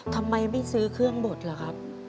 ทำไมไม่ซื้อเครื่องบดล่ะครับ